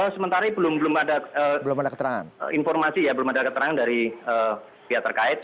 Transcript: sementara ini belum ada informasi ya belum ada keterangan dari pihak terkait